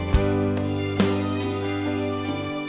เพลง